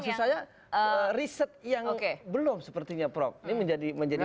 maksud saya riset yang belum sepertinya prof ini menjadi